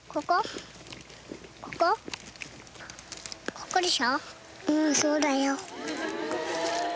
ここ？